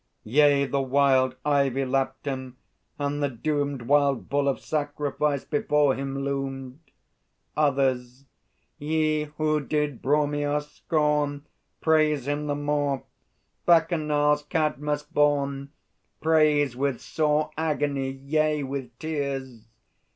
_ Yea, the wild ivy lapt him, and the doomed Wild Bull of Sacrifice before him loomed! Others. Ye who did Bromios scorn, Praise Him the more, Bacchanals, Cadmus born; Praise with sore Agony, yea, with tears!